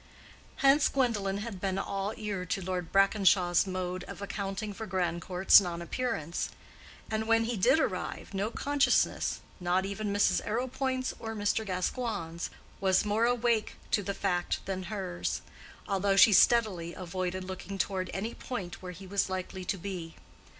Hence Gwendolen had been all ear to Lord Brackenshaw's mode of accounting for Grandcourt's non appearance; and when he did arrive, no consciousness—not even Mrs. Arrowpoint's or Mr. Gascoigne's—was more awake to the fact than hers, although she steadily avoided looking toward any point where he was likely to be.